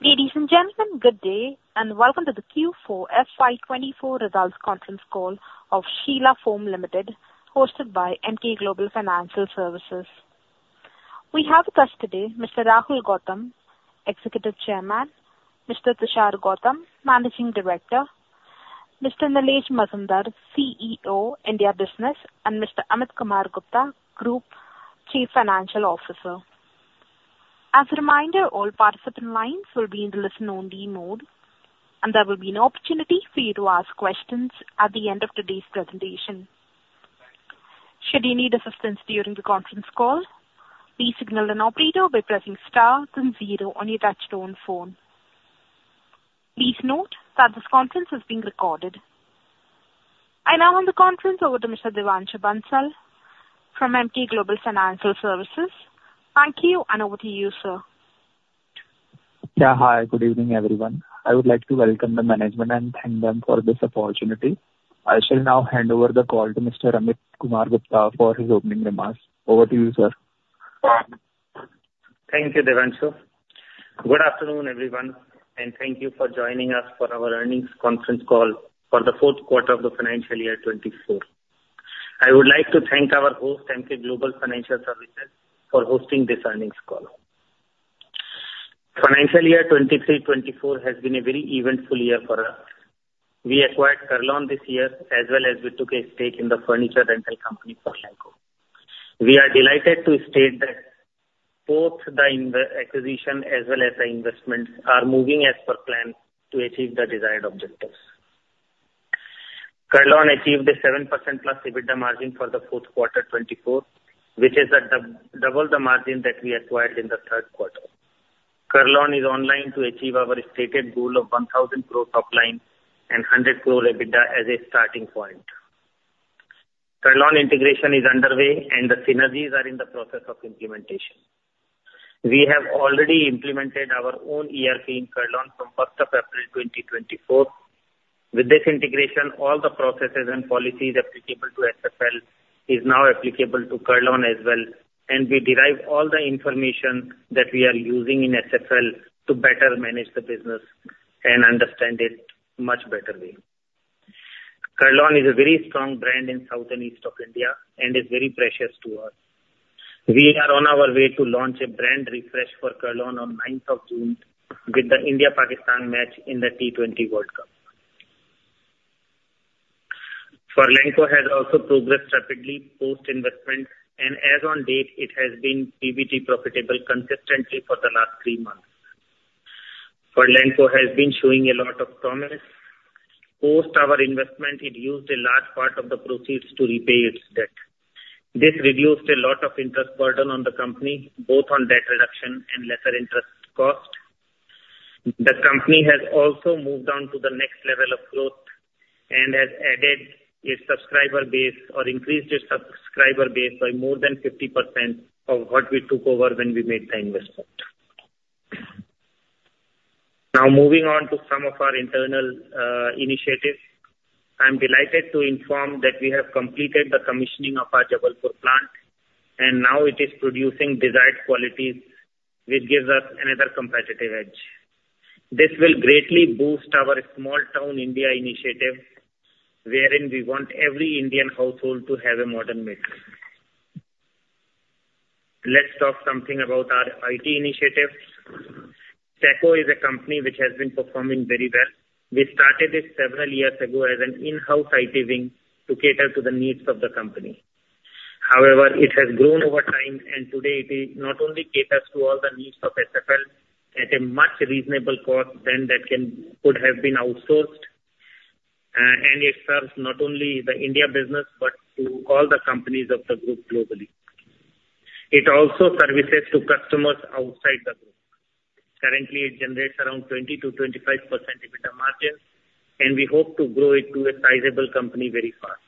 Ladies and gentlemen, good day, and welcome to the Q4 FY 2024 Results Conference Call of Sheela Foam Limited, hosted by Emkay Global Financial Services. We have with us today Mr. Rahul Gautam, Executive Chairman, Mr. Tushar Gautam, Managing Director, Mr. Nilesh Mazumdar, CEO, India Business, and Mr. Amit Kumar Gupta, Group Chief Financial Officer. As a reminder, all participant lines will be in the listen only mode, and there will be an opportunity for you to ask questions at the end of today's presentation. Should you need assistance during the conference call, please signal an operator by pressing star then zero on your touchtone phone. Please note that this conference is being recorded. I now hand the conference over to Mr. Devanshu Bansal from Emkay Global Financial Services. Thank you, and over to you, sir. Yeah, hi, good evening, everyone. I would like to welcome the management and thank them for this opportunity. I shall now hand over the call to Mr. Amit Kumar Gupta for his opening remarks. Over to you, sir. Thank you, Devanshu. Good afternoon, everyone, and thank you for joining us for our earnings conference call for the fourth quarter of the financial year 2024. I would like to thank our host, Emkay Global Financial Services, for hosting this earnings call. Financial year 2023-24 has been a very eventful year for us. We acquired Kurlon this year, as well as we took a stake in the furniture rental company, Furlenco. We are delighted to state that both the acquisition, as well as the investments, are moving as per plan to achieve the desired objectives. Kurlon achieved a 7%+ EBITDA margin for the fourth quarter 2024, which is double the margin that we acquired in the third quarter. Kurlon is online to achieve our stated goal of 1,000 crore top line and 100 crore EBITDA as a starting point. Kurlon integration is underway, and the synergies are in the process of implementation. We have already implemented our own ERP in Kurlon from first of April 2024. With this integration, all the processes and policies applicable to SFL is now applicable to Kurlon as well, and we derive all the information that we are using in SFL to better manage the business and understand it much better way. Kurlon is a very strong brand in South and East of India and is very precious to us. We are on our way to launch a brand refresh for Kurlon on ninth of June with the India-Pakistan match in the T20 World Cup. Furlenco has also progressed rapidly post investment, and as on date, it has been PBT profitable consistently for the last three months. Furlenco has been showing a lot of promise. Post our investment, it used a large part of the proceeds to repay its debt. This reduced a lot of interest burden on the company, both on debt reduction and lesser interest cost. The company has also moved on to the next level of growth and has added a subscriber base or increased its subscriber base by more than 50% of what we took over when we made the investment. Now, moving on to some of our internal initiatives. I'm delighted to inform that we have completed the commissioning of our Jabalpur plant, and now it is producing desired qualities, which gives us another competitive edge. This will greatly boost our Small Town India initiative, wherein we want every Indian household to have a modern bed. Let's talk something about our IT initiatives. Staqo is a company which has been performing very well. We started it several years ago as an in-house IT wing to cater to the needs of the company. However, it has grown over time, and today it not only caters to all the needs of SFL at a much reasonable cost than that could have been outsourced, and it serves not only the India business, but to all the companies of the group globally. It also services to customers outside the group. Currently, it generates around 20%-25% EBITDA margin, and we hope to grow it to a sizable company very fast.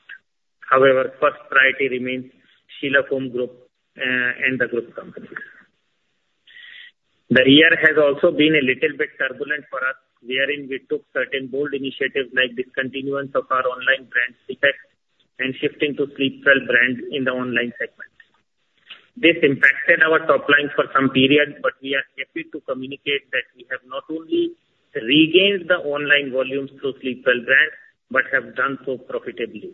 However, first priority remains Sheela Foam Group, and the group companies. The year has also been a little bit turbulent for us, wherein we took certain bold initiatives like discontinuance of our online brand, SleepX, and shifting to Sleepwell brand in the online segment. This impacted our top line for some period, but we are happy to communicate that we have not only regained the online volumes through Sleepwell brand, but have done so profitably.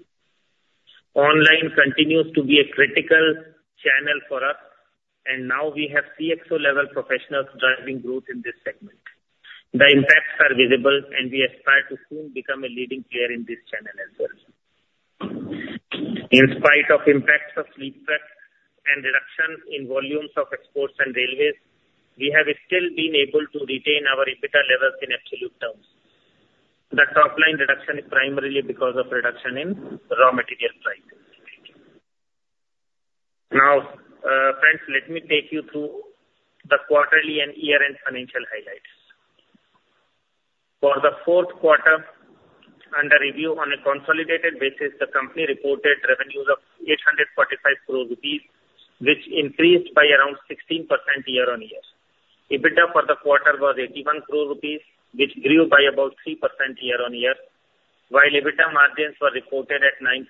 Online continues to be a critical channel for us, and now we have CXO level professionals driving growth in this segment. The impacts are visible, and we aspire to soon become a leading player in this channel as well. In spite of impacts of SleepX and reductions in volumes of exports and railways, we have still been able to retain our EBITDA levels in absolute terms. The top line reduction is primarily because of reduction in raw material price. Now, friends, let me take you through the quarterly and year-end financial highlights. For the fourth quarter under review on a consolidated basis, the company reported revenues of 845 crore rupees, which increased by around 16% YoY. EBITDA for the quarter was 81 crore rupees, which grew by about 3% YoY, while EBITDA margins were reported at 9.53%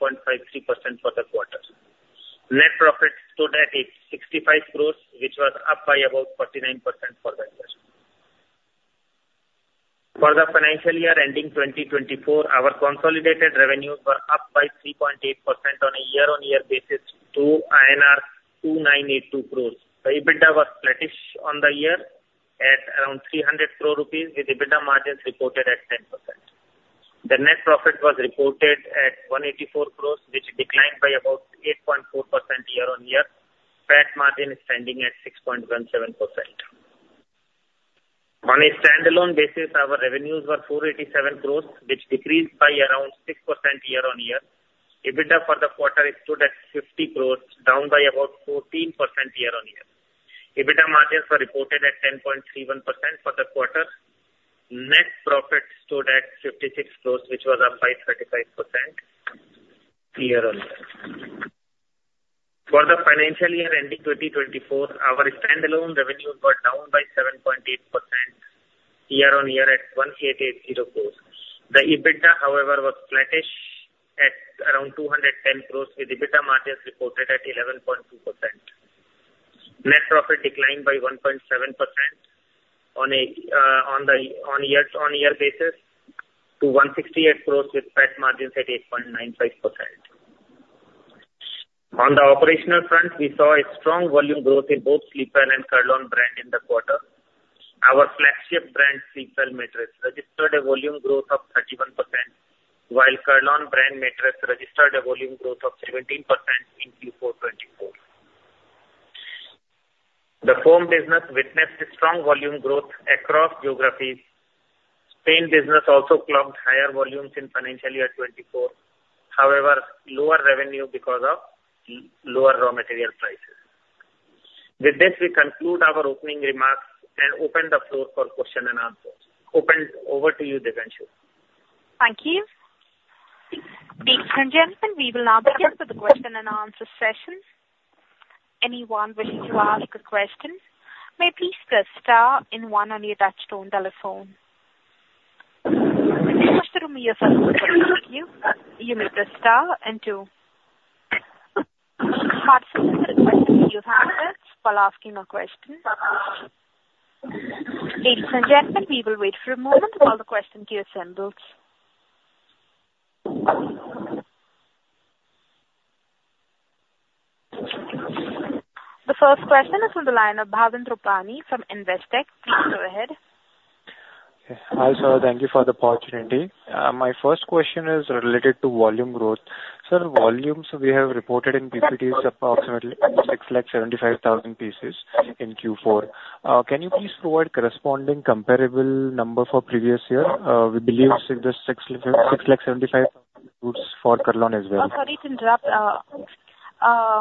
for the quarter. Net profit stood at 865 crore, which was up by about 49% for that year. For the financial year ending 2024, our consolidated revenues were up by 3.8% on a year-on-year basis to INR 2,982 crore. The EBITDA was flattish on the year at around INR 300 crore, with EBITDA margins reported at 10%. The net profit was reported at 184 crore, which declined by about 8.4% YoY. PAT margin is standing at 6.17%. On a standalone basis, our revenues were 487 crore, which decreased by around 6% YoY. EBITDA for the quarter stood at 50 crore, down by about 14% YoY. EBITDA margins were reported at 10.31% for the quarter. Net profit stood at 56 crore, which was up by 35% YoY. For the financial year ending 2024, our standalone revenues were down by 7.8% YoY at 1,880 crore. The EBITDA, however, was flattish at around 210 crore, with EBITDA margins reported at 11.2%. Net profit declined by 1.7% on a year-on-year basis to 168 crore, with PAT margins at 8.95%. On the operational front, we saw a strong volume growth in both Sleepwell and Kurlon brand in the quarter. Our flagship brand, Sleepwell mattress, registered a volume growth of 31%, while Kurlon brand mattress registered a volume growth of 17% in Q4 2024. The foam business witnessed a strong volume growth across geographies. PU foam business also clocked higher volumes in financial year 2024, however, lower revenue because of lower raw material prices. With this, we conclude our opening remarks and open the floor for question and answers. Operator, over to you, Devanshu. Thank you. Ladies and gentlemen, we will now begin with the question and answer session. Anyone wishing to ask a question may please press star and one on your touch-tone telephone. Mr. Rupani, your phone is with you. You may press star and two while asking a question. Ladies and gentlemen, we will wait for a moment for all the questions to assemble. The first question is from the line of Bhavin Rupani from Investec. Please go ahead. Hi, sir. Thank you for the opportunity. My first question is related to volume growth. Sir, volumes we have reported in PPT is approximately 675,000 pieces in Q4. Can you please provide corresponding comparable number for previous year? We believe the 675,000 includes for Kurlon as well. Sorry to interrupt.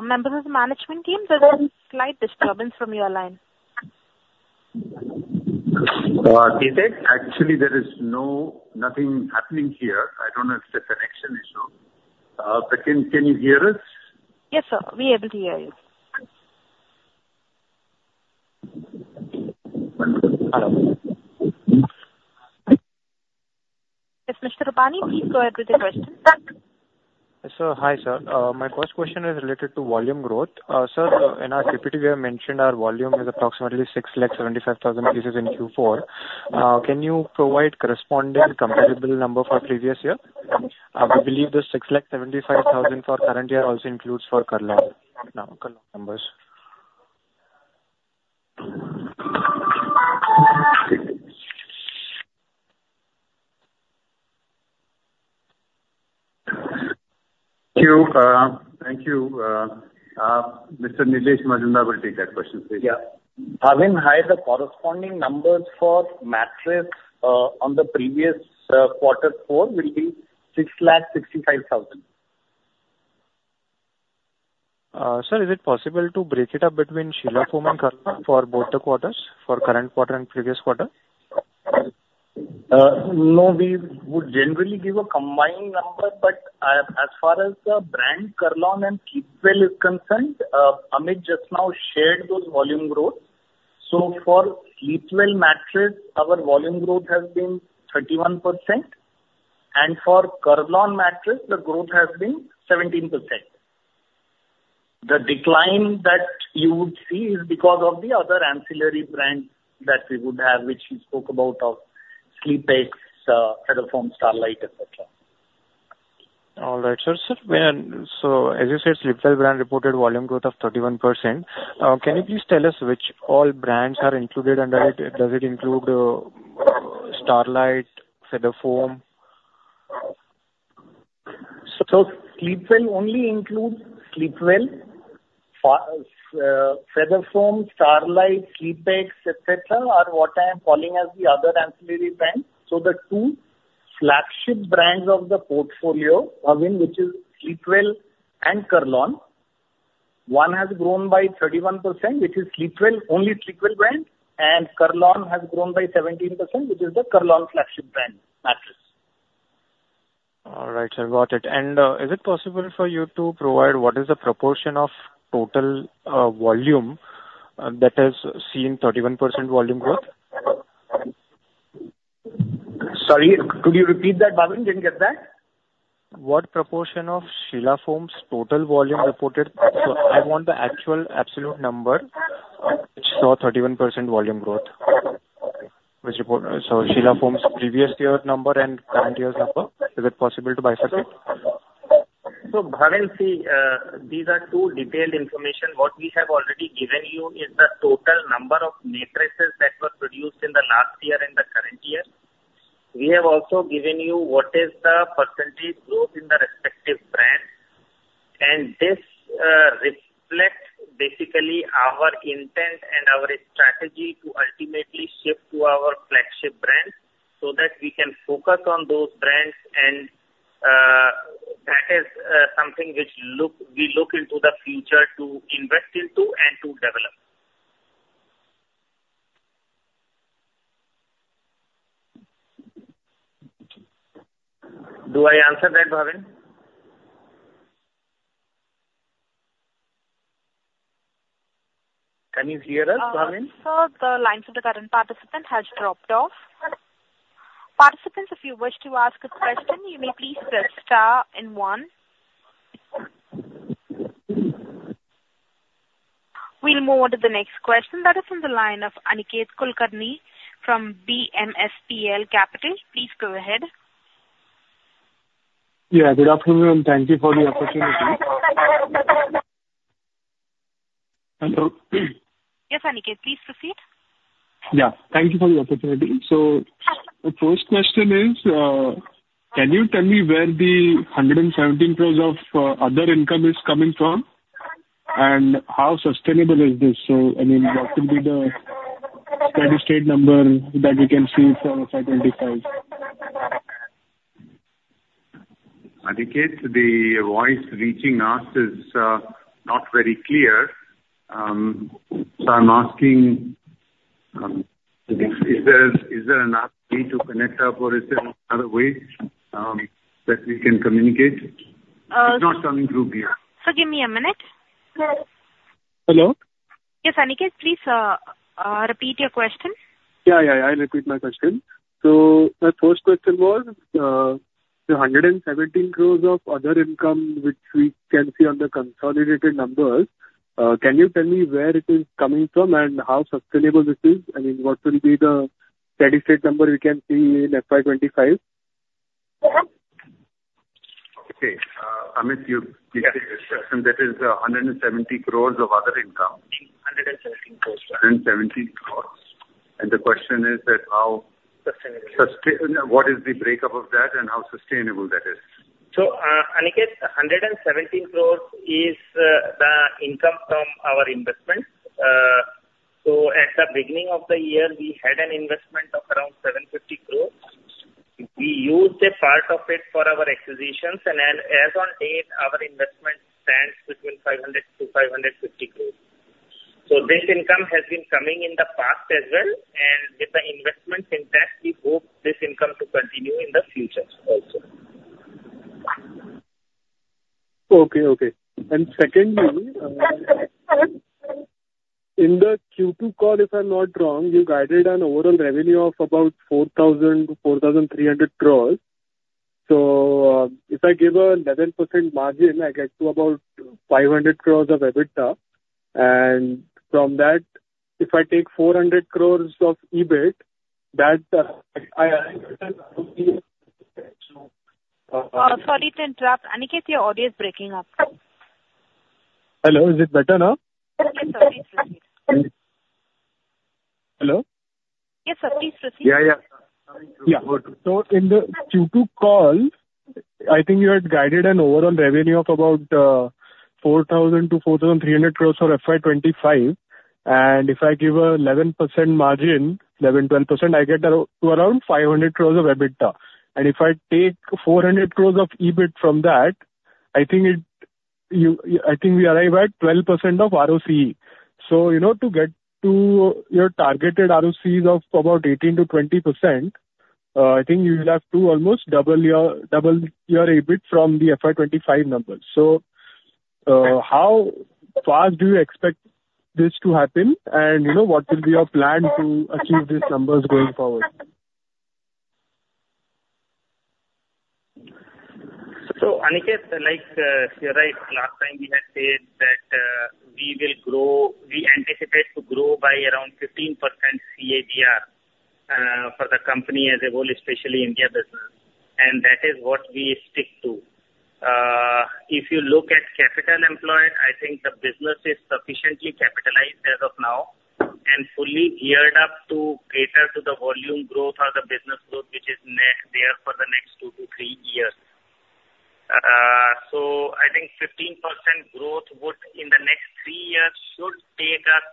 Members of the management team, there's a slight disturbance from your line. Actually, there is nothing happening here. I don't know if the connection is low. But can you hear us? Yes, sir, we are able to hear you. Yes, Mr. Rupani, please go ahead with your question, sir. Sir, hi, sir. My first question is related to volume growth. Sir, in our PPT, we have mentioned our volume is approximately 675,000 pieces in Q4. Can you provide corresponding comparable number for previous year? We believe the 675,000 for current year also includes for Kurlon, Kurlon numbers. Thank you. Thank you. Mr. Nilesh Mazumdar will take that question, please. Yeah. Bhavin, hi, the corresponding numbers for mattress on the previous quarter four will be 665,000. Sir, is it possible to break it up between Sheela Foam and Kurlon for both the quarters, for current quarter and previous quarter? No, we would generally give a combined number, but as far as the brand Kurlon and Sleepwell is concerned, Amit just now shared those volume growth. So for Sleepwell mattress, our volume growth has been 31%, and for Kurlon mattress, the growth has been 17%. The decline that you would see is because of the other ancillary brands that we would have, which we spoke about of SleepX, Feather Foam, Starlite, et cetera. All right, sir. So as you said, Sleepwell brand reported volume growth of 31%. Can you please tell us which all brands are included under it? Does it include Starlite, Feather Foam? So, Sleepwell only includes Sleepwell. Feather Foam, Starlite, SleepX, et cetera, are what I am calling as the other ancillary brands. So the two flagship brands of the portfolio, again, which is Sleepwell and Kurlon, one has grown by 31%, which is Sleepwell, only Sleepwell brand, and Kurlon has grown by 17%, which is the Kurlon flagship brand mattress. All right, sir, got it. And, is it possible for you to provide what is the proportion of total, volume, that has seen 31% volume growth?... Sorry, could you repeat that, Bhavin? Didn't get that. What proportion of Sheela Foam's total volume reported? So I want the actual absolute number, which saw 31% volume growth. So Sheela Foam's previous year number and current year number. Is it possible to bifurcate? So, Bhavin, see, these are two detailed information. What we have already given you is the total number of mattresses that were produced in the last year and the current year. We have also given you what is the percentage growth in the respective brand, and this reflects basically our intent and our strategy to ultimately shift to our flagship brand, so that we can focus on those brands, and that is something which look, we look into the future to invest into and to develop. Do I answer that, Bhavin? Can you hear us, Bhavin? Sir, the lines of the current participant has dropped off. Participants, if you wish to ask a question, you may please press star and one. We'll move on to the next question. That is on the line of Aniket Kulkarni from B&K Securities. Please go ahead. Yeah, good afternoon, and thank you for the opportunity. Hello? Yes, Aniket, please proceed. Yeah, thank you for the opportunity. So the first question is, can you tell me where the 117 crore of other income is coming from, and how sustainable is this? So, I mean, what will be the steady state number that we can see for FY 2025? Aniket, the voice reaching us is not very clear. So I'm asking, is there another way to connect up or is there another way that we can communicate? Uh- It's not coming through here. Sir, give me a minute. Hello? Yes, Aniket, please, repeat your question. Yeah, yeah, I'll repeat my question. So my first question was, the 117 crore of other income, which we can see on the consolidated numbers, can you tell me where it is coming from and how sustainable this is? I mean, what will be the steady state number we can see in FY 2025? Okay. Aniket, that is 170 crore of other income. 117 crore. 117 crore. And the question is that how- Sustainable. What is the breakup of that and how sustainable that is? So, Aniket, 117 crore is the income from our investment. So at the beginning of the year, we had an investment of around 750 crore. We used a part of it for our acquisitions, and as on date, our investment stands between 500 crore-550 crore. So this income has been coming in the past as well, and with the investments intact, we hope this income to continue in the future also. Okay, okay. Secondly, in the Q2 call, if I'm not wrong, you guided an overall revenue of about 4,000-4,300 crore. So, if I give a 11% margin, I get to about 500 crore of EBITDA, and from that, if I take 400 crore of EBIT, that. Sorry to interrupt. Aniket, your audio is breaking up. Hello, is it better now? Yes, sorry. Hello? Yes, sorry, proceed. Yeah, yeah. Yeah. So in the Q2 call, I think you had guided an overall revenue of about 4,000-4,300 crore for FY 2025. And if I give a 11% margin, 11%-12%, I get around to around 500 crore of EBITDA. And if I take 400 crore of EBIT from that, I think it, you, I think we arrive at 12% of ROCE. So, you know, to get to your targeted ROCEs of about 18%-20%, I think you'll have to almost double your, double your EBIT from the FY 2025 numbers. So, how fast do you expect this to happen? And, you know, what will be your plan to achieve these numbers going forward? So, Aniket, like, you're right. Last time we had said that we anticipate to grow by around 15% CAGR for the company as a whole, especially India business, and that is what we stick to. If you look at capital employed, I think the business is sufficiently capitalized as of now and fully geared up to cater to the volume growth or the business growth, which is there for the next two to three years. So I think 15% growth, both in the next three years, should take us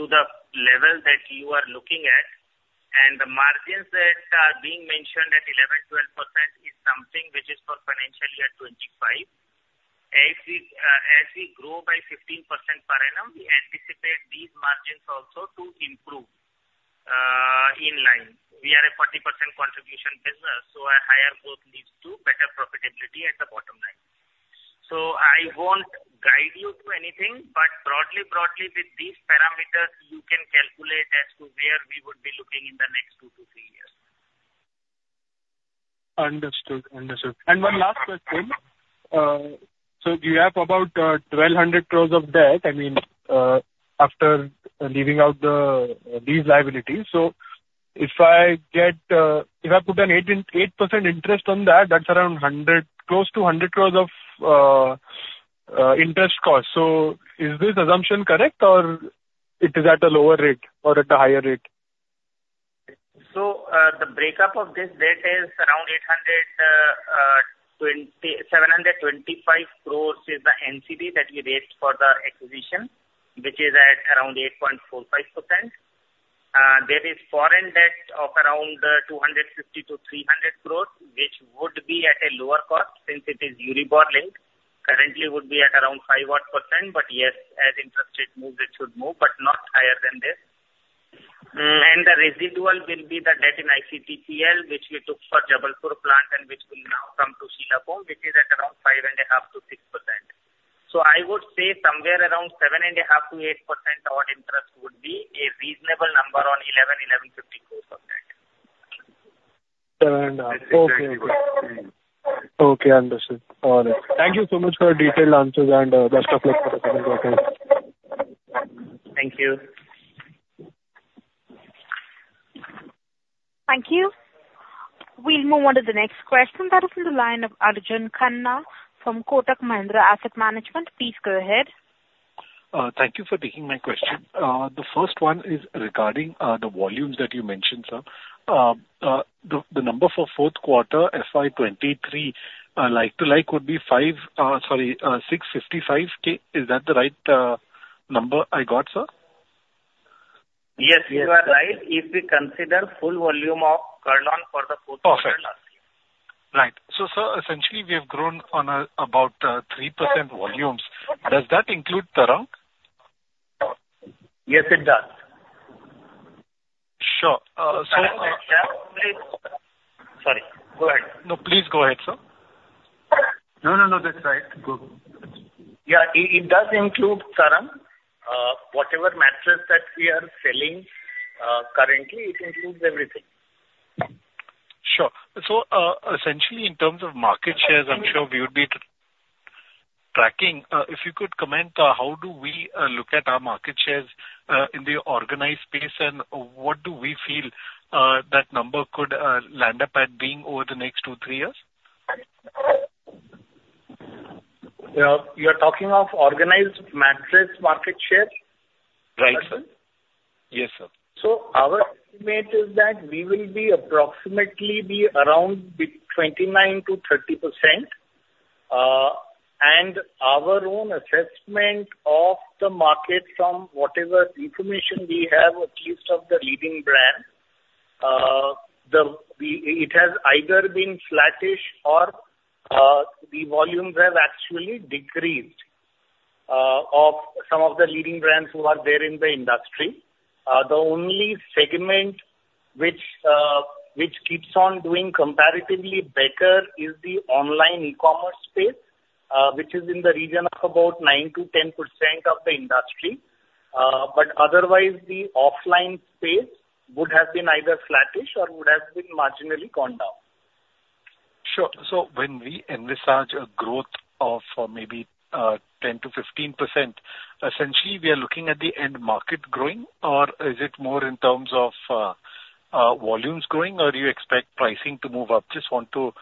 to the level that you are looking at. And the margins that are being mentioned at 11%-12% is something which is for financial year 2025. As we, as we grow by 15% per annum, we anticipate these margins also to improve, in line. We are a 40% contribution business, so a higher growth leads to better profitability at the bottom line.... I won't guide you to anything, but broadly, broadly, with these parameters, you can calculate as to where we would be looking in the next 2-3 years. Understood. Understood. One last question. So you have about 1,200 crore of debt, I mean, after leaving out these liabilities. So if I put an 8 in, 8% interest on that, that's around 100 crore, close to 100 crore of interest cost. So is this assumption correct, or it is at a lower rate or at a higher rate? So, the breakup of this debt is around INR 827.25 crore is the NCD that we raised for the acquisition, which is at around 8.45%. There is foreign debt of around 250 crore-300 crore, which would be at a lower cost since it is Euribor linked. Currently, would be at around 5% odd, but yes, as interest rate moves, it should move, but not higher than this. And the residual will be the debt in ICTPL, which we took for Jabalpur plant and which will now come to Sheela Foam, which is at around 5.5%-6%. So I would say somewhere around 7.5%-8% odd interest would be a reasonable number on 11.24%. Okay. Okay. Okay, understood. All right. Thank you so much for your detailed answers, and best of luck for the. [inaudible] Thank you. Thank you. We'll move on to the next question. That is from the line of Arjun Khanna from Kotak Mahindra Asset Management. Please go ahead. Thank you for taking my question. The first one is regarding the volumes that you mentioned, sir. The number for fourth quarter, FY 2023, like to like, would be five, sorry, 655K. Is that the right number I got, sir? Yes, you are right. If we consider full volume of Kurlon for the fourth quarter last year. Perfect. Right. So, sir, essentially, we have grown on, about, 3% volumes. Does that include Tarang? Yes, it does. Sure, Sorry, go ahead. No, please go ahead, sir. No, no, no, that's right. Go, go. Yeah, it, it does include Tarang. Whatever mattress that we are selling, currently, it includes everything. Sure. So, essentially, in terms of market shares, I'm sure we would be tracking. If you could comment, how do we look at our market shares in the organized space, and what do we feel that number could land up at being over the next 2-3 years? You're talking of organized mattress market share? Right, sir. Yes, sir. So our estimate is that we will be approximately around 29%-30%. And our own assessment of the market from whatever information we have, at least of the leading brand, the, it has either been flattish or the volumes have actually decreased of some of the leading brands who are there in the industry. The only segment which which keeps on doing comparatively better is the online e-commerce space, which is in the region of about 9%-10% of the industry. But otherwise, the offline space would have been either flattish or would have been marginally gone down. Sure. So when we envisage a growth of maybe 10%-15%, essentially we are looking at the end market growing, or is it more in terms of volumes growing, or do you expect pricing to move up? Just want to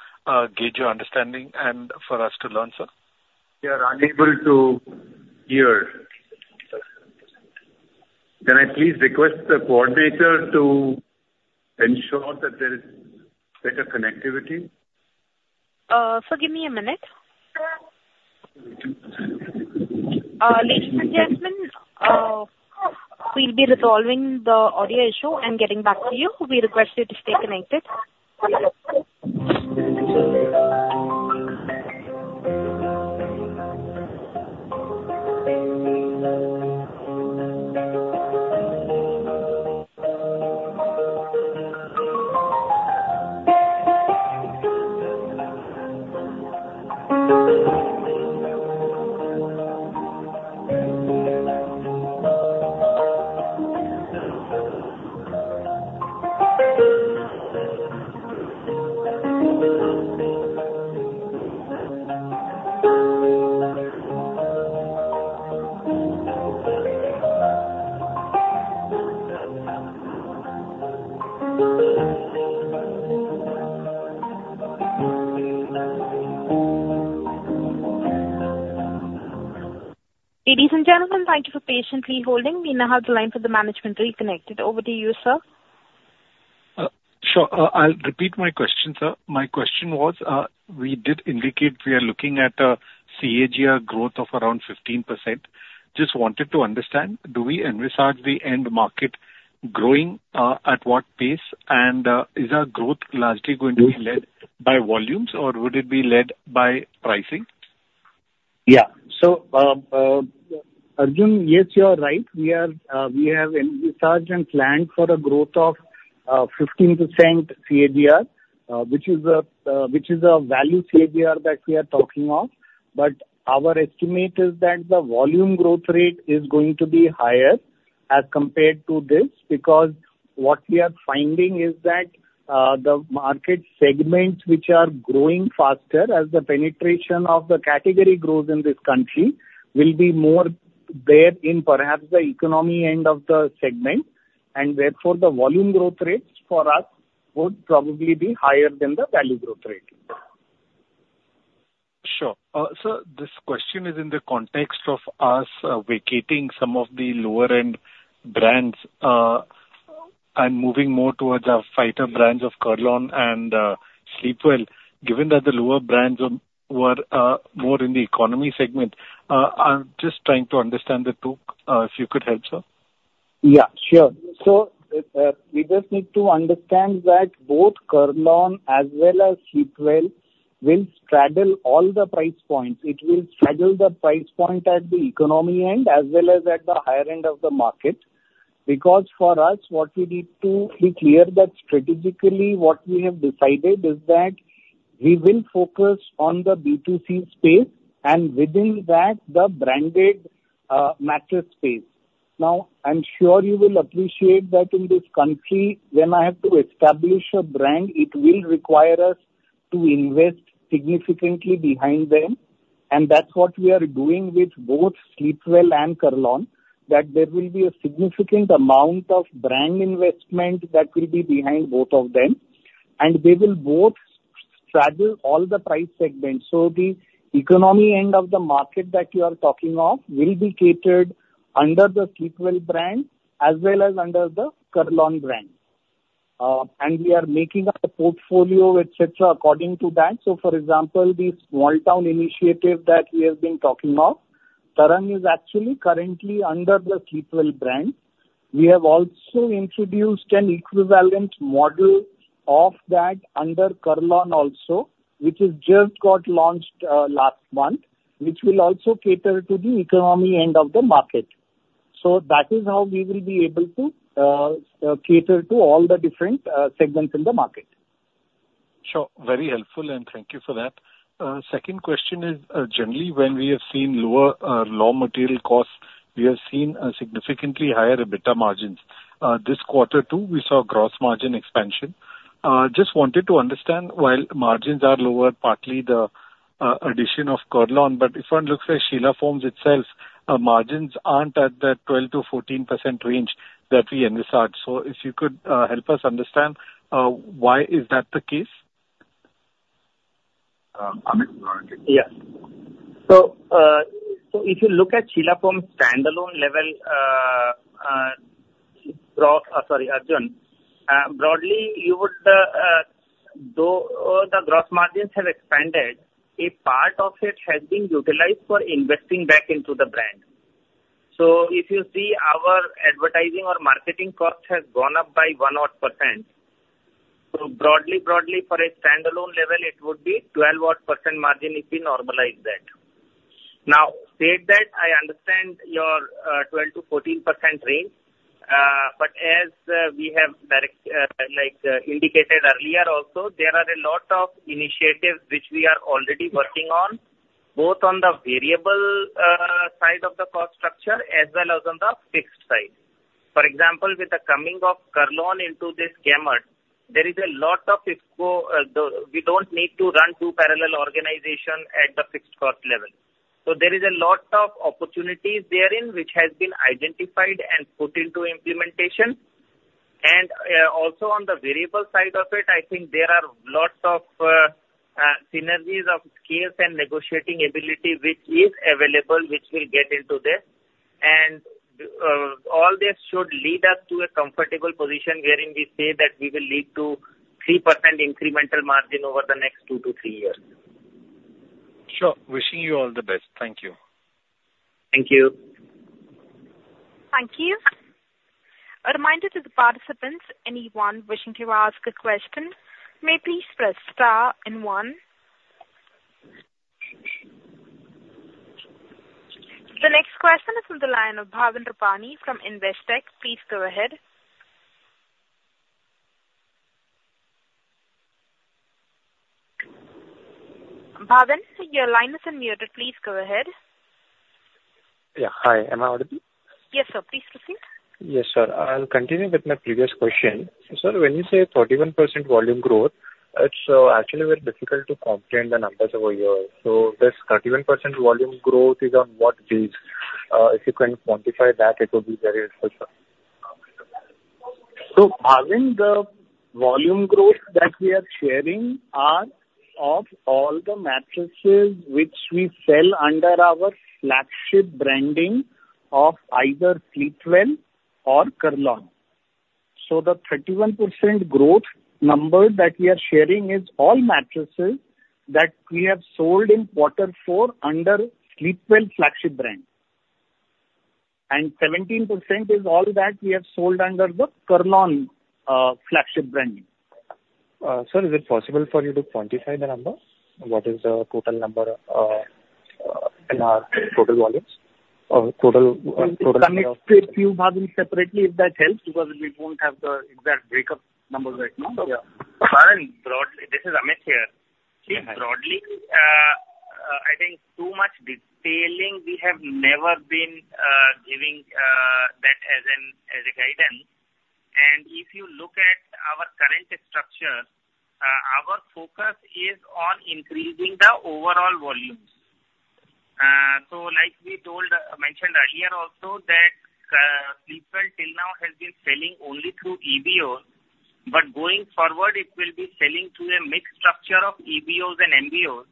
gauge your understanding and for us to learn, sir. We are unable to hear. Can I please request the coordinator to ensure that there is better connectivity? Sir, give me a minute. Ladies and gentlemen, we'll be resolving the audio issue and getting back to you. We request you to stay connected. Ladies and gentlemen, thank you for patiently holding. We now have the line for the management reconnected. Over to you, sir. Sure. I'll repeat my question, sir. My question was, we did indicate we are looking at a CAGR growth of around 15%. Just wanted to understand, do we envisage the end market growing, at what pace? And, is our growth largely going to be led by volumes, or would it be led by pricing? Yeah. So, Arjun, yes, you are right. We are, we have envisaged and planned for a growth of, 15% CAGR, which is a, which is a value CAGR that we are talking of. But our estimate is that the volume growth rate is going to be higher as compared to this, because what we are finding is that, the market segments which are growing faster as the penetration of the category grows in this country, will be more there in perhaps the economy end of the segment, and therefore, the volume growth rates for us would probably be higher than the value growth rate. Sure. Sir, this question is in the context of us vacating some of the lower end brands and moving more towards our fighter brands of Kurlon and Sleepwell. Given that the lower brands are, were, more in the economy segment, I'm just trying to understand the two, if you could help, sir? Yeah, sure. So, we just need to understand that both Kurlon and as well as Sleepwell, will straddle all the price points. It will straddle the price point at the economy end, as well as at the higher end of the market. Because for us, what we need to be clear that strategically what we have decided is that we will focus on the B2C space, and within that, the branded, mattress space. Now, I'm sure you will appreciate that in this country, when I have to establish a brand, it will require us to invest significantly behind them, and that's what we are doing with both Sleepwell and Kurlon, that there will be a significant amount of brand investment that will be behind both of them, and they will both straddle all the price segments. So the economy end of the market that you are talking of will be catered under the Sleepwell brand, as well as under the Kurlon brand. And we are making a portfolio, et cetera, according to that. So for example, the small town initiative that we have been talking of, Tarang, is actually currently under the Sleepwell brand. We have also introduced an equivalent model of that under Kurlon also, which is just got launched last month, which will also cater to the economy end of the market. So that is how we will be able to cater to all the different segments in the market. Sure. Very helpful, and thank you for that. Second question is, generally, when we have seen lower, raw material costs, we have seen a significantly higher EBITDA margins. This quarter, too, we saw gross margin expansion. Just wanted to understand, while margins are lower, partly the, addition of Kurlon, but if one looks at Sheela Foam's itself, margins aren't at that 12%-14% range that we envisage. So if you could, help us understand, why is that the case? Amit, go ahead. Yeah. So, so if you look at Sheela Foam's standalone level, sorry, Arjun, broadly, you would, though, the gross margins have expanded, a part of it has been utilized for investing back into the brand. So if you see our advertising or marketing cost has gone up by 1-odd %. So broadly, broadly, for a standalone level, it would be 12-odd percent margin, if we normalize that. Now, that said, I understand your 12%-14% range, but as we have, like, indicated earlier also, there are a lot of initiatives which we are already working on, both on the variable side of the cost structure as well as on the fixed side. For example, with the coming of Kurlon into this gamut, there is a lot of fixed cost, we don't need to run two parallel organization at the fixed cost level. So there is a lot of opportunities therein, which has been identified and put into implementation. And also on the variable side of it, I think there are lots of synergies of scale and negotiating ability, which is available, which will get into this. And all this should lead us to a comfortable position wherein we say that we will lead to 3% incremental margin over the next 2-3 years. Sure. Wishing you all the best. Thank you. Thank you. Thank you. A reminder to the participants, anyone wishing to ask a question, may please press star and one. The next question is from the line of Bhavin Rupani from Investec. Please go ahead. Bhavin, your line is unmuted. Please go ahead. Yeah, hi. Am I audible? Yes, sir. Please proceed. Yes, sir. I'll continue with my previous question. Sir, when you say 31% volume growth, it's actually very difficult to comprehend the numbers over here. So this 31% volume growth is on what base? If you can quantify that, it would be very helpful, sir. Bhavin, the volume growth that we are sharing are of all the mattresses which we sell under our flagship branding of either Sleepwell or Kurlon. The 31% growth number that we are sharing is all mattresses that we have sold in quarter four under Sleepwell flagship brand. 17% is all that we have sold under the Kurlon flagship branding. ... Sir, is it possible for you to quantify the number? What is the total number in our total volumes or total- We can state few volumes separately, if that helps, because we don't have the exact breakup numbers right now. Yeah. Sorry, broadly, this is Amit here. See, broadly, I think too much detailing, we have never been giving that as a guidance. If you look at our current structure, our focus is on increasing the overall volumes. So like we told, mentioned earlier also that, Sleepwell till now has been selling only through EBOs, but going forward it will be selling through a mixed structure of EBOs and MBOs,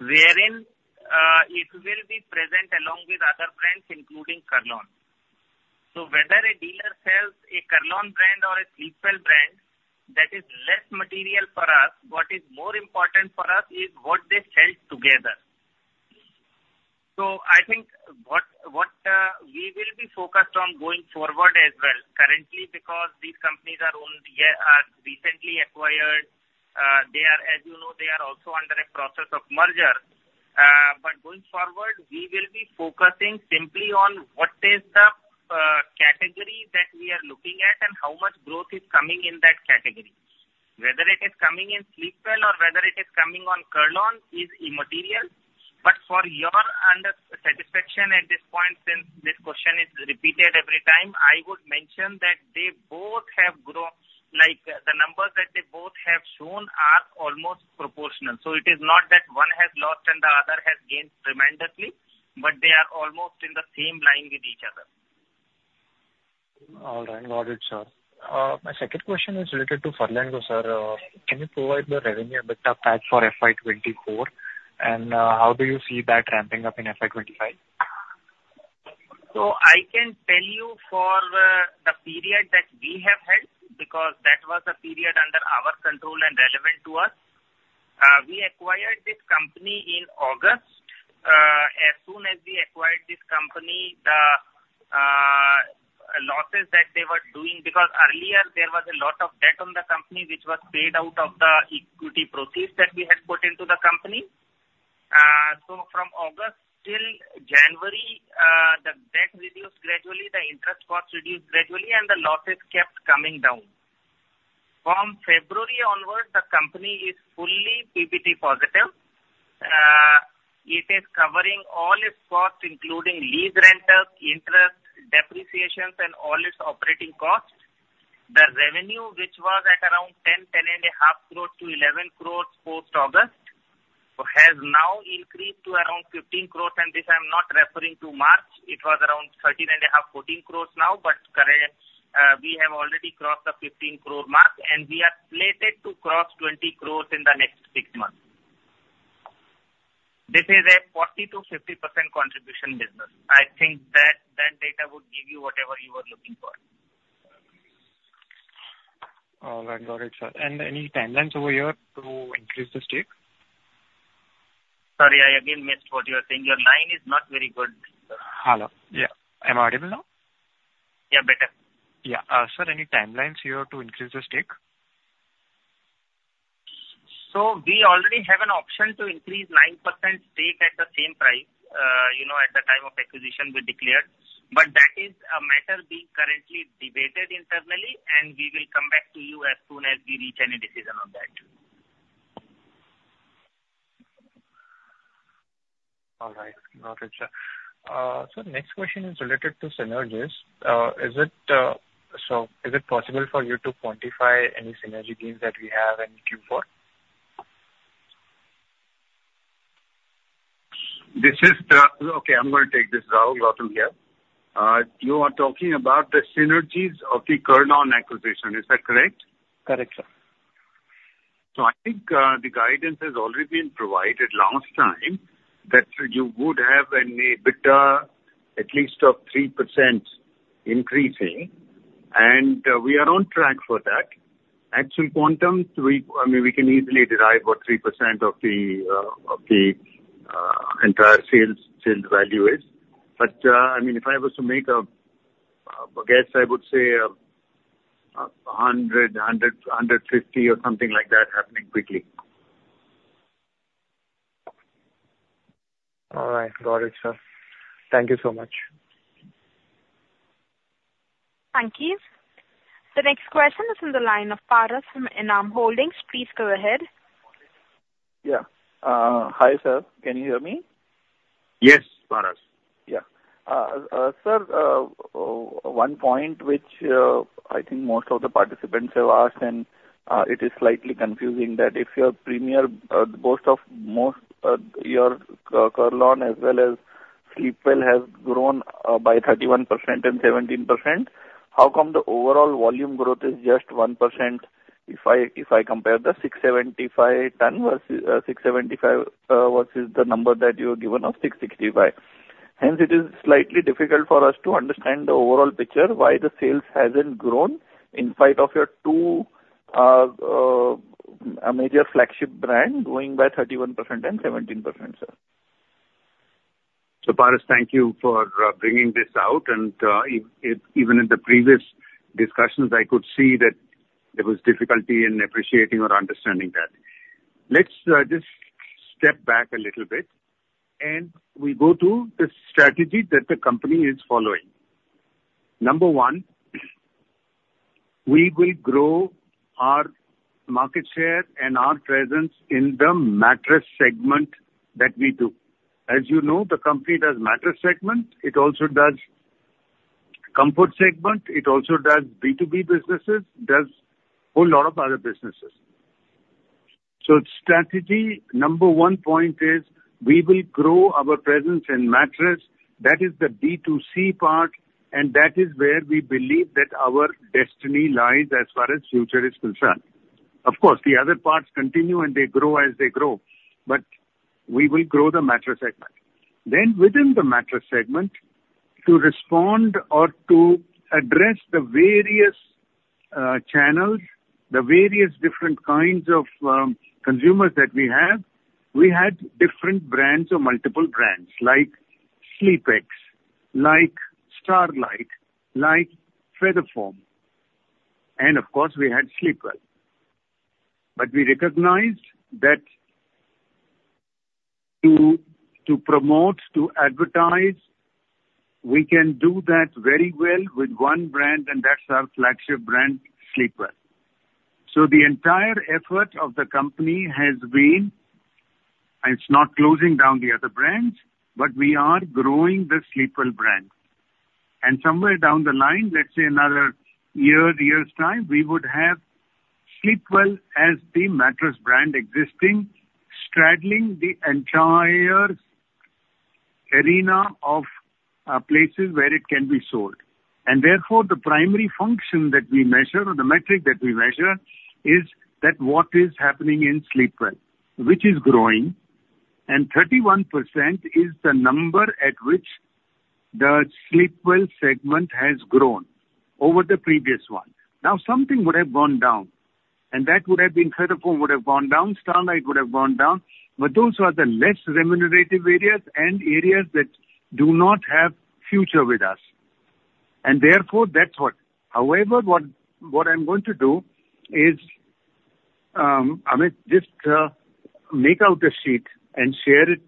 wherein it will be present along with other brands, including Kurlon. So whether a dealer sells a Kurlon brand or a Sleepwell brand, that is less material for us. What is more important for us is what they sell together. So I think what we will be focused on going forward as well, currently because these companies are owned, yeah, are recently acquired, they are, as you know, they are also under a process of merger. But going forward, we will be focusing simply on what is the category that we are looking at and how much growth is coming in that category. Whether it is coming in Sleepwell or whether it is coming on Kurlon is immaterial, but for your own satisfaction at this point, since this question is repeated every time, I would mention that they both have grown, like, the numbers that they both have shown are almost proportional. So it is not that one has lost and the other has gained tremendously, but they are almost in the same line with each other. All right. Got it, sir. My second question is related to Furlenco, sir. Can you provide the revenue EBITDA path for FY 2024, and, how do you see that ramping up in FY 2025? So I can tell you for the period that we have had, because that was the period under our control and relevant to us. We acquired this company in August. As soon as we acquired this company, the losses that they were doing, because earlier there was a lot of debt on the company, which was paid out of the equity proceeds that we had put into the company. So from August till January, the debt reduced gradually, the interest cost reduced gradually, and the losses kept coming down. From February onwards, the company is fully PBT positive. It is covering all its costs, including lease rentals, interest, depreciations, and all its operating costs. The revenue, which was at around 10, 10.5 crore to 11 crore post-August, has now increased to around 15 crore, and this I'm not referring to March. It was around 13.5-INR crore14 crore now, but current, we have already crossed the 15 crore mark, and we are slated to cross 20 crore in the next six months. This is a 40%-50% contribution business. I think that, that data would give you whatever you are looking for. All right. Got it, sir. Any timelines over here to increase the stake? Sorry, I again missed what you are saying. Your line is not very good. Hello. Yeah. Am I audible now? Yeah, better. Yeah. Sir, any timelines you have to increase the stake? So we already have an option to increase 9% stake at the same price, you know, at the time of acquisition we declared, but that is a matter being currently debated internally, and we will come back to you as soon as we reach any decision on that. All right. Got it, sir. So the next question is related to synergies. So is it possible for you to quantify any synergy gains that we have in Q4? This is okay, I'm going to take this. Rahul Gautam here. You are talking about the synergies of the Kurlon acquisition. Is that correct? Correct, sir. So I think, the guidance has already been provided last time, that you would have an EBITDA at least of 3% increasing, and, we are on track for that. Actual quantum, we, I mean, we can easily derive what 3% of the, of the, entire sales, sales value is. But, I mean, if I was to make a, a guess, I would say, 150 or something like that happening quickly. All right. Got it, sir. Thank you so much. Thank you. The next question is on the line of Paras from Enam Holdings. Please go ahead. Yeah. Hi, sir, can you hear me? Yes, Paras. Yeah. Sir, one point which I think most of the participants have asked, and it is slightly confusing, that if your premier most of your Kurlon as well as Sleepwell has grown by 31% and 17%, how come the overall volume growth is just 1%, if I compare the 675 ton versus 675 versus the number that you have given of 665? Hence, it is slightly difficult for us to understand the overall picture, why the sales hasn't grown in spite of your two major flagship brand growing by 31% and 17%, sir. ...So Paras, thank you for bringing this out. And even in the previous discussions, I could see that there was difficulty in appreciating or understanding that. Let's just step back a little bit, and we go to the strategy that the company is following. Number one, we will grow our market share and our presence in the mattress segment that we do. As you know, the company does mattress segment, it also does comfort segment, it also does B2B businesses, does a whole lot of other businesses. So strategy number one point is we will grow our presence in mattress. That is the B2C part, and that is where we believe that our destiny lies as far as future is concerned. Of course, the other parts continue and they grow as they grow, but we will grow the mattress segment. Then within the mattress segment, to respond or to address the various channels, the various different kinds of consumers that we have, we had different brands or multiple brands, like SleepX, like Starlite, like Feather Foam, and of course we had Sleepwell. But we recognized that to, to promote, to advertise, we can do that very well with one brand, and that's our flagship brand, Sleepwell. So the entire effort of the company has been... It's not closing down the other brands, but we are growing the Sleepwell brand. And somewhere down the line, let's say another year, year's time, we would have Sleepwell as the mattress brand existing, straddling the entire arena of places where it can be sold. And therefore, the primary function that we measure or the metric that we measure, is that what is happening in Sleepwell, which is growing, and 31% is the number at which the Sleepwell segment has grown over the previous one. Now, something would have gone down, and that would have been Feather Foam would have gone down, Starlite would have gone down, but those are the less remunerative areas and areas that do not have future with us, and therefore that's what. However, what I'm going to do is, Amit, just, make out a sheet and share it,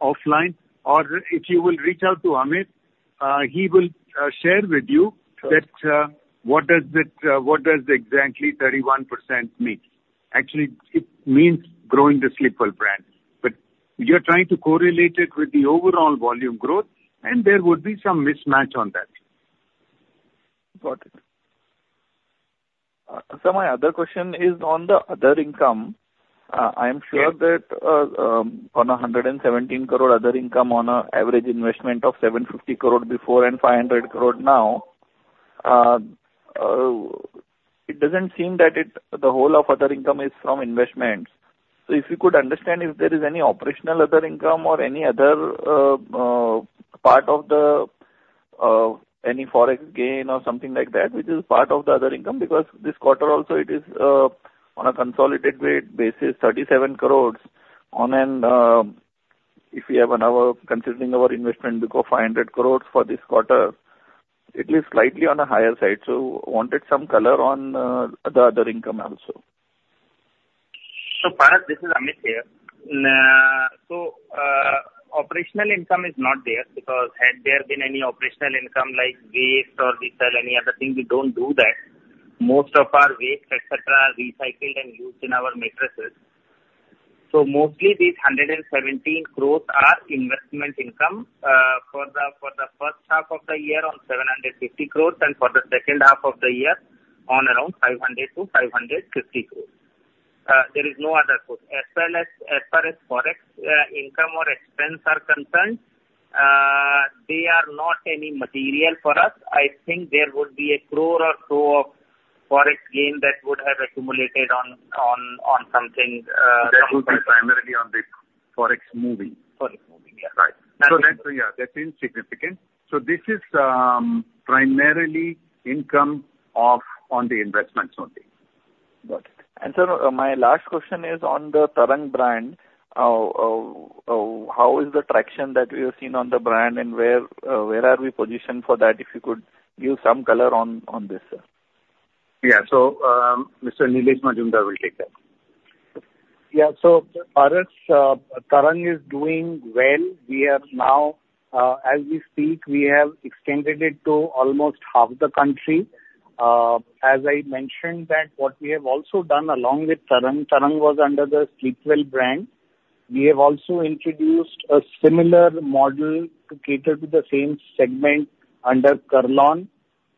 offline, or if you will reach out to Amit, he will, share with you that, what does exactly 31% mean? Actually, it means growing the Sleepwell brand. But you're trying to correlate it with the overall volume growth, and there would be some mismatch on that. Got it. So my other question is on the other income. I'm sure- Yes. that, on 117 crore other income on an average investment of 750 crore before and 500 crore now, it doesn't seem that it, the whole of other income is from investments. So if you could understand, if there is any operational other income or any other, part of the, any forex gain or something like that, which is part of the other income, because this quarter also it is, on a consolidated rate basis, 37 crore on an, if we have another considering our investment, because 500 crore for this quarter, it is slightly on a higher side. So wanted some color on, the other income also. So Paras, this is Amit here. So, operational income is not there, because had there been any operational income, like waste or resell, any other thing, we don't do that. Most of our waste, et cetera, are recycled and used in our mattresses. So mostly these 117 crore are investment income, for the first half of the year on 750 crore, and for the second half of the year on around 500-550 crore. There is no other source. As well as, as far as forex income or expense are concerned, they are not any material for us. I think there would be 1 crore or so of forex gain that would have accumulated on, on, on something. That would be primarily on the forex moving. Forex moving, yeah. Right. So that's, yeah, that's insignificant. So this is primarily income of, on the investments only. Got it. Sir, my last question is on the Tarang brand. How is the traction that we have seen on the brand, and where are we positioned for that? If you could give some color on this, sir. Yeah. So, Mr. Nilesh Mazumdar will take that. Yeah. So Paras, Tarang is doing well. We are now, as we speak, we have extended it to almost half the country. As I mentioned that what we have also done along with Tarang, Tarang was under the Sleepwell brand. We have also introduced a similar model to cater to the same segment under Kurlon,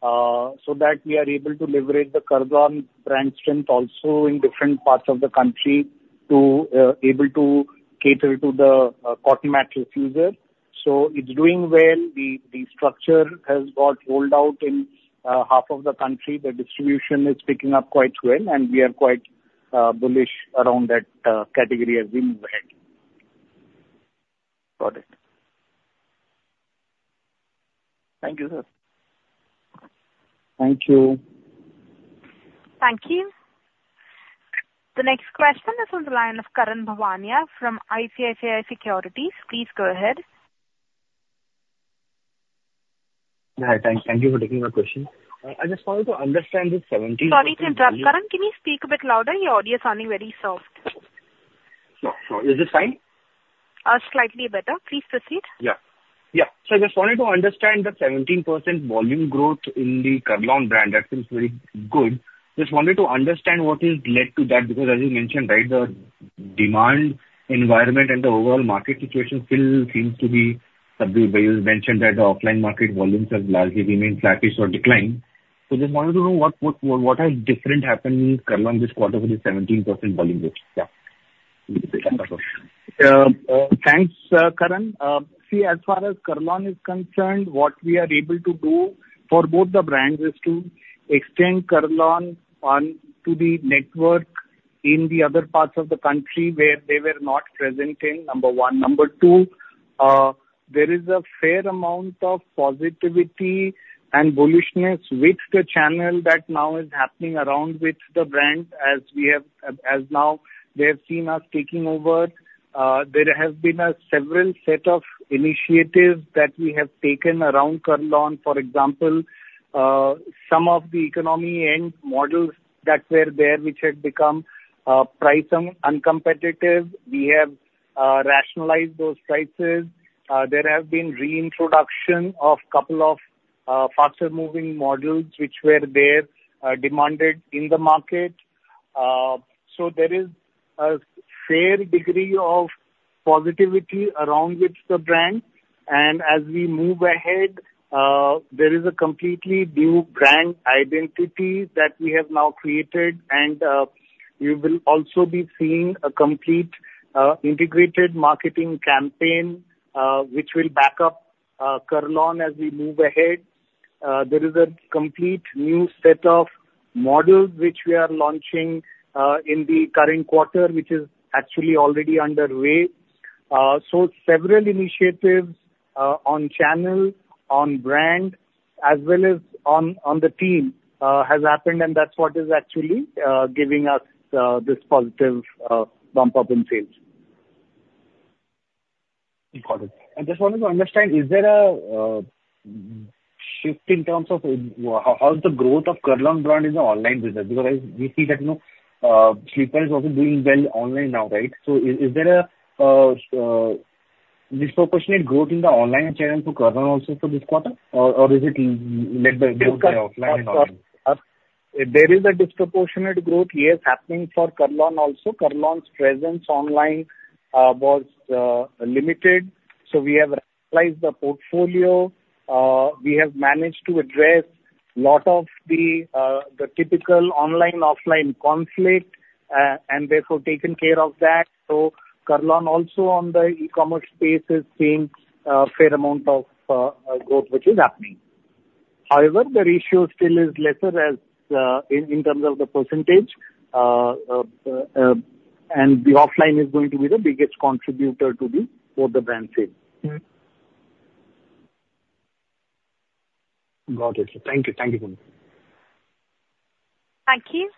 so that we are able to leverage the Kurlon brand strength also in different parts of the country to, able to cater to the, cotton mattress user. So it's doing well. The, the structure has got rolled out in, half of the country. The distribution is picking up quite well, and we are quite, bullish around that, category as we move ahead. Got it. Thank you, sir.... Thank you. Thank you. The next question is on the line of Karan Bhuwania from ICICI Securities. Please go ahead. Hi, thank you for taking my question. I just wanted to understand the 17% Sorry to interrupt, Karan. Can you speak a bit louder? Your audio is sounding very soft. Sure, sure. Is this fine? Slightly better. Please proceed. Yeah. Yeah. So I just wanted to understand the 17% volume growth in the Kurlon brand. That seems very good. Just wanted to understand what is led to that, because as you mentioned, right, the demand environment and the overall market situation still seems to be, you mentioned that the offline market volumes have largely remained flattish or declined. So just wanted to know what, what, what has different happened in Kurlon this quarter with the 17% volume growth? Yeah. Thanks, Karan. See, as far as Kurlon is concerned, what we are able to do for both the brands is to extend Kurlon on to the network in the other parts of the country where they were not present in, number one. Number two, there is a fair amount of positivity and bullishness with the channel that now is happening around with the brand as we have. As now they have seen us taking over. There have been a several set of initiatives that we have taken around Kurlon. For example, some of the economy end models that were there, which had become price uncompetitive, we have rationalized those prices. There have been reintroduction of couple of faster moving models, which were there demanded in the market. So there is a fair degree of positivity around with the brand, and as we move ahead, there is a completely new brand identity that we have now created. And, you will also be seeing a complete, integrated marketing campaign, which will back up, Kurlon as we move ahead. There is a complete new set of models which we are launching, in the current quarter, which is actually already underway. So several initiatives, on channel, on brand, as well as on, on the team, has happened, and that's what is actually, giving us, this positive, bump up in sales. Got it. I just wanted to understand, is there a shift in terms of how the growth of Kurlon brand in the online business? Because we see that, you know, Sleepwell is also doing well online now, right? So is there a disproportionate growth in the online channel to Kurlon also for this quarter, or is it led by growth in offline and online? There is a disproportionate growth, yes, happening for Kurlon also. Kurlon's presence online was limited, so we have rationalized the portfolio. We have managed to address a lot of the typical online/offline conflict and therefore taken care of that. So Kurlon also on the e-commerce space is seeing a fair amount of growth, which is happening. However, the ratio still is lesser as in terms of the percentage and the offline is going to be the biggest contributor for the brand sales. Mm-hmm. Got it. Thank you. Thank you very much. Thank you.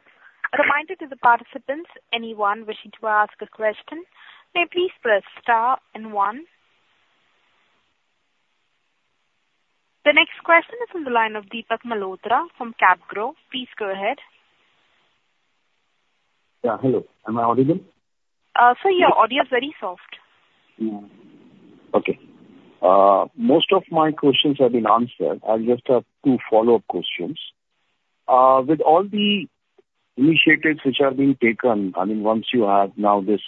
A reminder to the participants, anyone wishing to ask a question, may please press star and one. The next question is on the line of Deepak Malhotra from CapGrow. Please go ahead. Yeah, hello. Am I audible? Sir, your audio is very soft. Mm. Okay. Most of my questions have been answered. I just have two follow-up questions. With all the initiatives which are being taken, I mean, once you have now this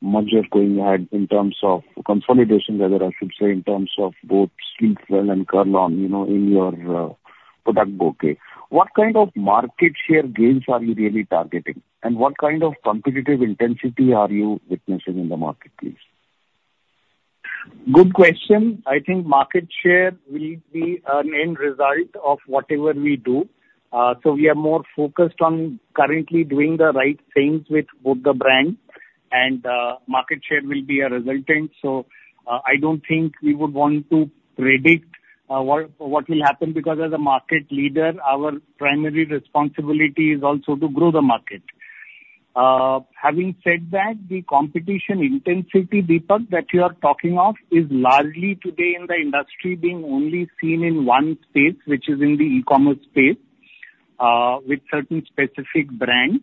merger going ahead in terms of consolidation, whether I should say in terms of both Sleepwell and Kurlon, you know, in your product bouquet, what kind of market share gains are you really targeting? And what kind of competitive intensity are you witnessing in the market, please? Good question. I think market share will be an end result of whatever we do. So we are more focused on currently doing the right things with both the brands, and market share will be a resultant. So I don't think we would want to predict what will happen, because as a market leader, our primary responsibility is also to grow the market. Having said that, the competition intensity, Deepak, that you are talking of is largely today in the industry being only seen in one space, which is in the e-commerce space with certain specific brands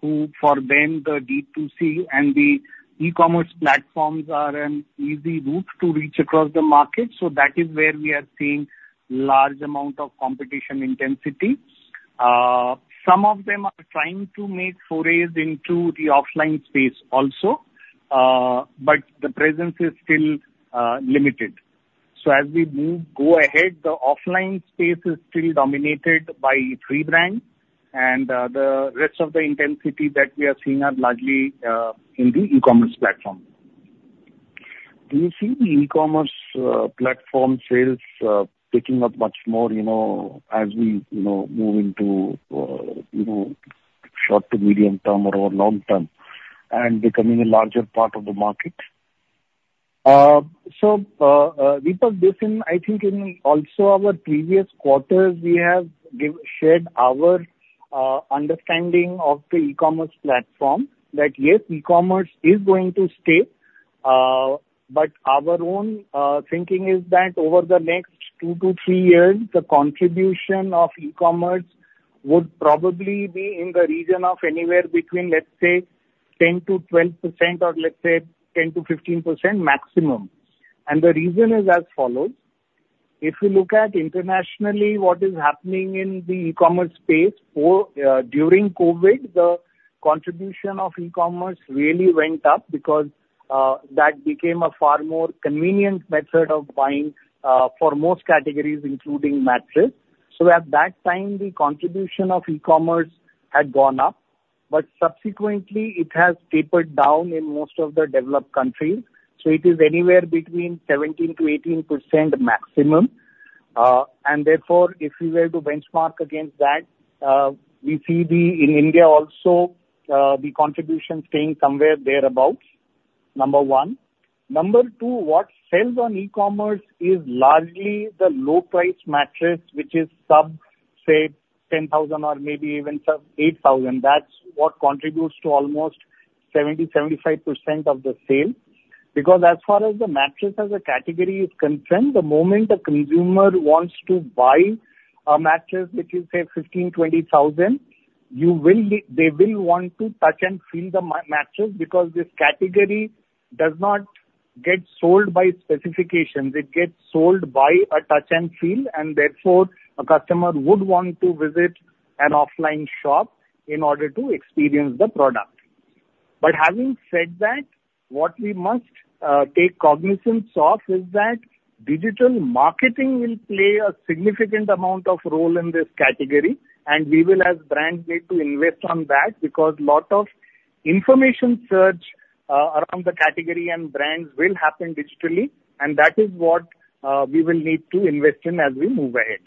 who for them, the D2C and the e-commerce platforms are an easy route to reach across the market. So that is where we are seeing large amount of competition intensity. Some of them are trying to make forays into the offline space also, but the presence is still limited. So the offline space is still dominated by three brands, and the rest of the intensity that we are seeing are largely in the e-commerce platform. Do you see the e-commerce, platform sales, picking up much more, you know, as we, you know, move into, you know, short to medium term or over long term and becoming a larger part of the market?... So, Deepak, I think, also in our previous quarters, we have given, shared our understanding of the e-commerce platform. That, yes, e-commerce is going to stay, but our own thinking is that over the next 2-3 years, the contribution of e-commerce would probably be in the region of anywhere between, let's say, 10%-12%, or let's say 10%-15% maximum. And the reason is as follows: If you look at internationally, what is happening in the e-commerce space during COVID, the contribution of e-commerce really went up because that became a far more convenient method of buying for most categories, including mattress. So at that time, the contribution of e-commerce had gone up, but subsequently it has tapered down in most of the developed countries, so it is anywhere between 17%-18% maximum. And therefore, if we were to benchmark against that, we see the, in India also, the contribution staying somewhere thereabout. Number one. Number two, what sells on e-commerce is largely the low price mattress, which is sub, say, 10,000 or maybe even sub 8,000. That's what contributes to almost 70%-75% of the sale. Because as far as the mattress as a category is concerned, the moment a consumer wants to buy a mattress, which is say 15,000, 20,000, they will want to touch and feel the mattress, because this category does not get sold by specifications. It gets sold by a touch and feel, and therefore a customer would want to visit an offline shop in order to experience the product. But having said that, what we must take cognizance of is that digital marketing will play a significant amount of role in this category, and we will, as brand, need to invest on that, because lot of information search around the category and brands will happen digitally, and that is what we will need to invest in as we move ahead.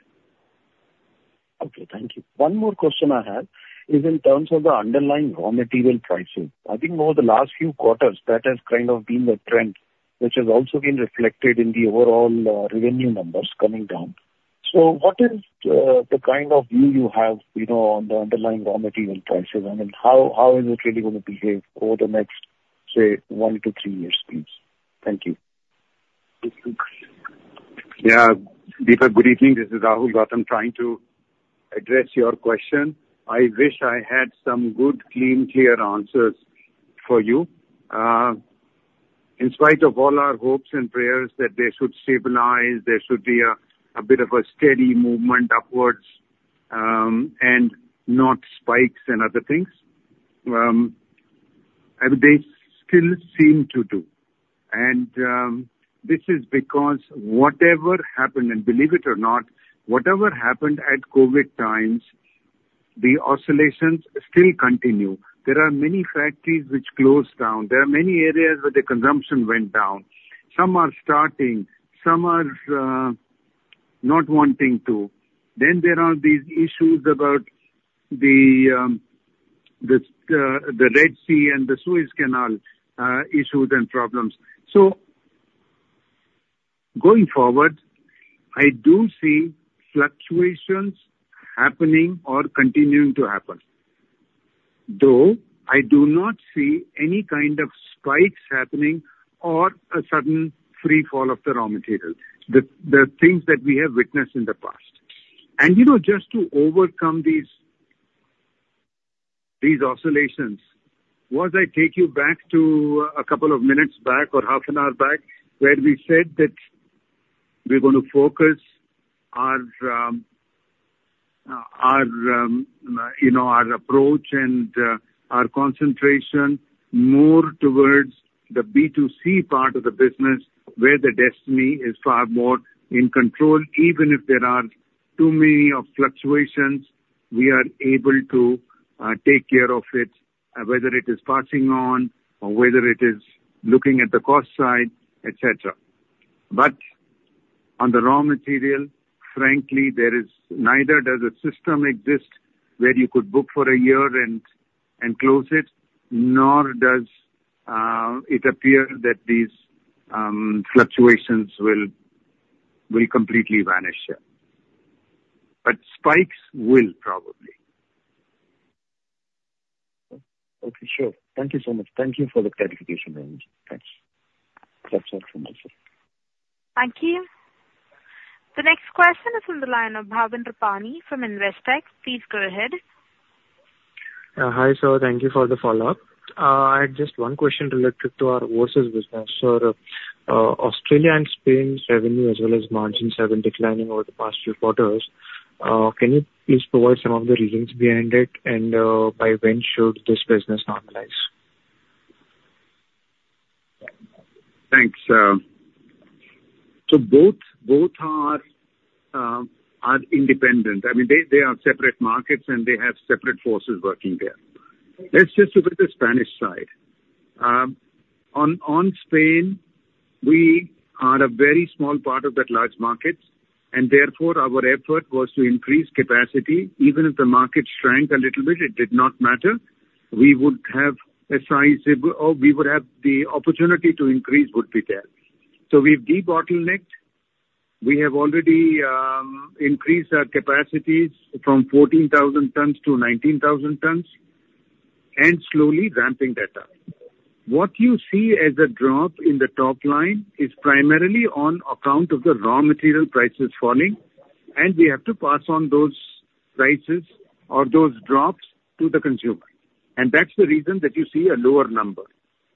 Okay. Thank you. One more question I have is in terms of the underlying raw material pricing. I think over the last few quarters, that has kind of been the trend, which has also been reflected in the overall, revenue numbers coming down. So what is, the kind of view you have, you know, on the underlying raw material prices? I mean, how is it really going to behave over the next, say, one to three years, please? Thank you. Yeah. Deepak, good evening. This is Rahul Gautam, trying to address your question. I wish I had some good, clean, clear answers for you. In spite of all our hopes and prayers that they should stabilize, there should be a bit of a steady movement upwards, and not spikes and other things. And they still seem to do. And this is because whatever happened, and believe it or not, whatever happened at COVID times, the oscillations still continue. There are many factories which closed down. There are many areas where the consumption went down. Some are starting, some are not wanting to. Then there are these issues about the Red Sea and the Suez Canal issues and problems. So going forward, I do see fluctuations happening or continuing to happen, though I do not see any kind of spikes happening or a sudden free fall of the raw material, the things that we have witnessed in the past. You know, just to overcome these oscillations, let me take you back to a couple of minutes back or half an hour back, where we said that we're going to focus our approach and our concentration more towards the B2C part of the business, where the pricing is far more in control. Even if there are too many of fluctuations, we are able to take care of it, whether it is passing on or whether it is looking at the cost side, et cetera. But on the raw material, frankly, there is... neither does a system exist where you could book for a year and close it, nor does it appear that these fluctuations will completely vanish here. But spikes will probably. Okay, sure. Thank you so much. Thank you for the clarification, Rahul. Thanks. That's all from my side. Thank you. The next question is on the line of Bhavin Rupani from Investec. Please go ahead. Hi, sir. Thank you for the follow-up. I had just one question related to our overseas business. Sir, Australia and Spain's revenue as well as margins have been declining over the past few quarters. Can you please provide some of the reasons behind it, and by when should this business normalize? Thanks. So both, both are, are independent. I mean, they, they are separate markets, and they have separate forces working there. Let's just look at the Spanish side. On Spain, we are a very small part of that large market, and therefore our effort was to increase capacity. Even if the market shrank a little bit, it did not matter. We would have a sizable, or we would have the opportunity to increase would be there. So we've debottlenecked. We have already increased our capacities from 14,000 tons to 19,000 tons, and slowly ramping that up. What you see as a drop in the top line is primarily on account of the raw material prices falling, and we have to pass on those prices or those drops to the consumer, and that's the reason that you see a lower number.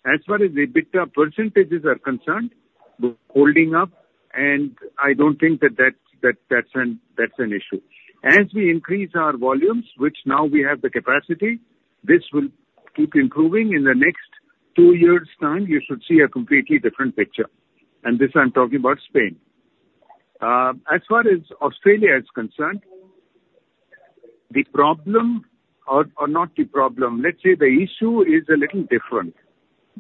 As far as the EBITDA percentages are concerned, they're holding up, and I don't think that's an issue. As we increase our volumes, which now we have the capacity, this will keep improving. In the next two years' time, you should see a completely different picture, and this I'm talking about Spain. As far as Australia is concerned, the problem or not the problem, let's say the issue is a little different.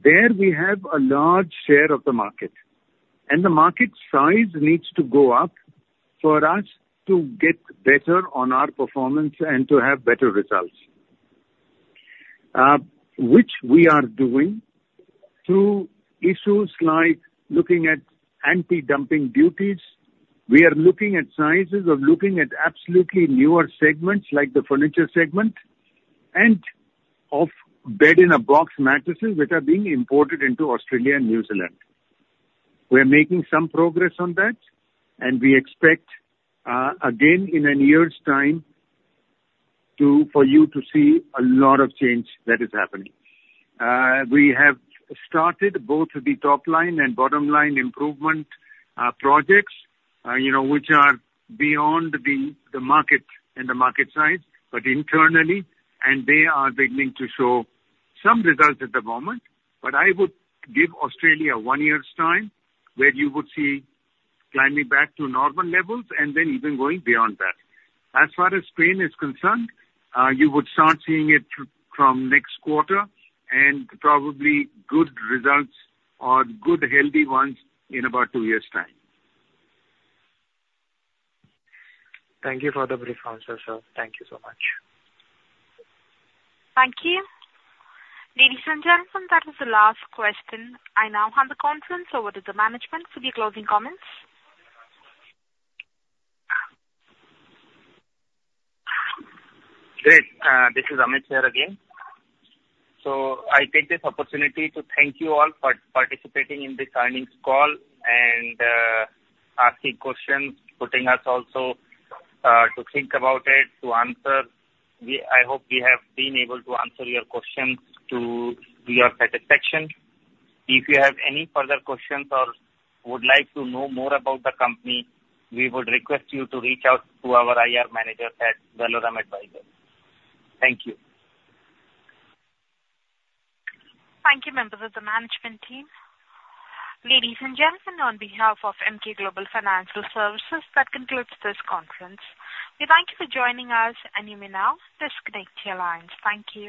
There we have a large share of the market, and the market size needs to go up for us to get better on our performance and to have better results. Which we are doing through issues like looking at anti-dumping duties. We are looking at sizes of looking at absolutely newer segments, like the furniture segment and of bed-in-a-box mattresses, which are being imported into Australia and New Zealand. We're making some progress on that, and we expect, again, in a year's time, for you to see a lot of change that is happening. We have started both the top line and bottom line improvement projects, you know, which are beyond the market and the market size, but internally, and they are beginning to show some results at the moment. But I would give Australia one year's time, where you would see climbing back to normal levels and then even going beyond that. As far as Spain is concerned, you would start seeing it from next quarter and probably good results or good, healthy ones in about two years' time. Thank you for the brief answer, sir. Thank you so much. Thank you. Ladies and gentlemen, that was the last question. I now hand the conference over to the management for the closing comments. Great, this is Amit here again. So I take this opportunity to thank you all for participating in this earnings call and asking questions, putting us also to think about it, to answer. I hope we have been able to answer your questions to your satisfaction. If you have any further questions or would like to know more about the company, we would request you to reach out to our IR manager at Valorem Advisors. Thank you. Thank you, members of the management team. Ladies and gentlemen, on behalf of Emkay Global Financial Services, that concludes this conference. We thank you for joining us, and you may now disconnect your lines. Thank you.